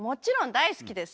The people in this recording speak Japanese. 大好きです。